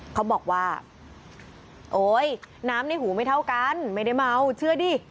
เขาบอกว่าโอ๊ยน้ำในหูไม่เท่ากันไม่ได้เมาเชื่อดิ